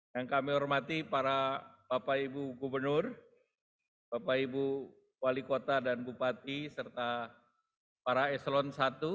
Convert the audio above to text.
yang kami hormati para bapak ibu gubernur bapak ibu wali kota dan bupati serta para eselon i